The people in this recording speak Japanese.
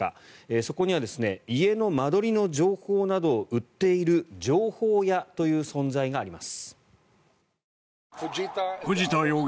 そこには家の間取りの情報などを売っている情報屋という存在があります。